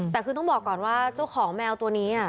แต่คือต้องบอกก่อนว่าเจ้าของแมวตัวนี้